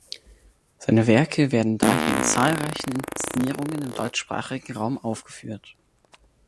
Seine Werke werden daher in zahlreichen Inszenierungen im deutschsprachigen Raum aufgeführt.